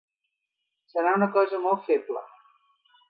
Serà una cosa molt feble.